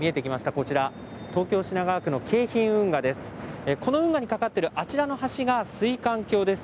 この運河に架かっているあちらの橋が水管橋です。